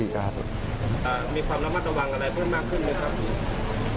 มีความระมัดระวังอะไรเพิ่มมากขึ้นไหมครับ